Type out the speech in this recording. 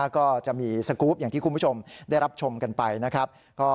ก็จะมีสกรูปอย่างที่คุณผู้ชมได้รับชมกันไปนะครับ